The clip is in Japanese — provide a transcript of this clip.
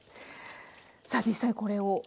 さあ実際これを。